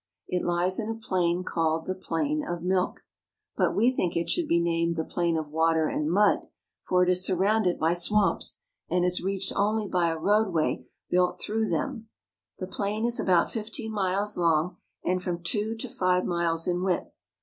It lies in a plain called the Plain of Milk. But we think it should be named the plain of water and mud, for it is surrounded by TIBET AND THE TIBETANS 315 swamps, and is reached only by a roadway built through them. The plain is about fifteen miles long and from two to five miles in width.